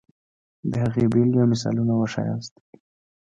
د هغې بېلګې او مثالونه وښیاست.